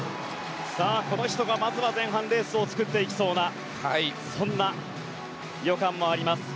この人がまずは前半レースを作っていきそうなそんな予感もあります。